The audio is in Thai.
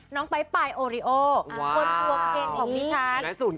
น้องไปป่ายออริโอคนทัวร์เกณฑ์ของพี่ฉัน